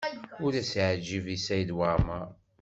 Ur as-ɛejjbeɣ i Saɛid Waɛmaṛ.